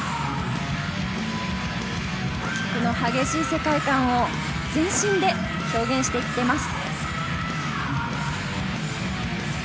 曲の激しい世界感を全身で表現してくれます。